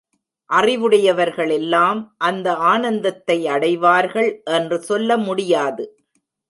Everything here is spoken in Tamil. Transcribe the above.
அறிவுடையவர்கள் எல்லாம் அந்த ஆனந்தத்தை அடைவார்கள் என்று சொல்ல முடியாது.